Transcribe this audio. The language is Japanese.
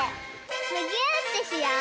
むぎゅーってしよう！